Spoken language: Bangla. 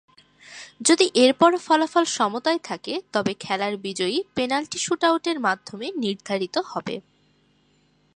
যদি এরপরও ফলাফল সমতায় থাকে, তবে খেলার বিজয়ী পেনাল্টি শুট-আউটের মাধ্যমে নির্ধারিত হবে।